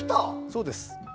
そうです。